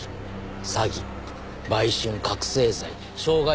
詐欺売春覚醒剤傷害殺人。